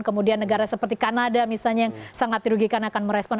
kemudian negara seperti kanada misalnya yang sangat dirugikan akan merespon